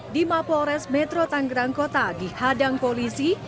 di mapores metro tanggerang kota di hadang polisi